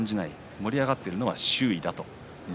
盛り上がっているのは周囲だと。